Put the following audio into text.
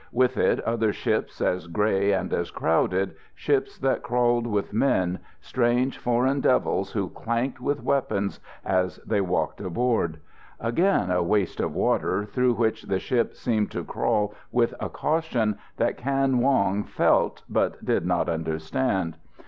With it other ships as grey and as crowded, ships that crawled with men, strange Foreign Devils who clanked with weapons as they walked aboard. Again a waste of water, through which the ship seemed to crawl with a caution that Kan Wong felt, but did not understand.